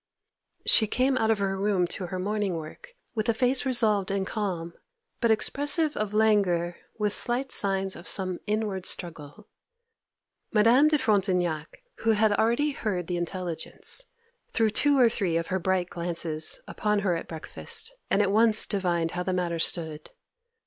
She came out of her room to her morning work with a face resolved and calm, but expressive of languor, with slight signs of some inward struggle. Madame de Frontignac, who had already heard the intelligence, threw two or three of her bright glances upon her at breakfast, and at once divined how the matter stood.